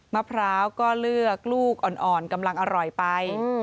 มะพร้าวก็เลือกลูกอ่อนกำลังอร่อยไป